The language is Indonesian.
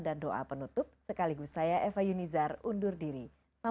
bapak dan ibu yang dikirimkan